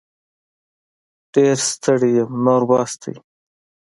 ډير ستړې یم نور بس دی